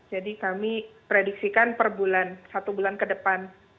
jadi kami prediksikan per bulan satu bulan ke depan